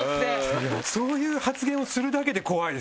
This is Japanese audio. そういう発言をするだけで怖いです。